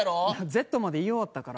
「Ｚ」まで言い終わったから。